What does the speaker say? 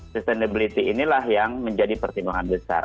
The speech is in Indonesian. sustainability inilah yang menjadi pertimbangan besar